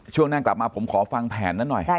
ช่วงหน้ากลับมาผมขอฟังแผนนั้นหน่อย